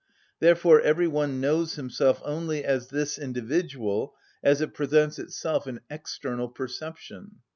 Therefore every one knows himself only as this individual as it presents itself in external perception.